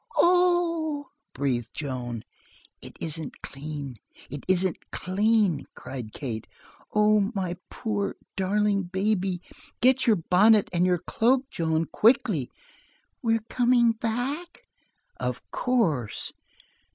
"Oh!" breathed Joan. "It isn't clean! It isn't clean," cried Kate. "Oh, my poor, darling baby! Get your bonnet and your cloak, Joan, quickly." "We're coming back?" "Of course."